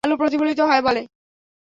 আলো প্রতিফলিত হয় বলে।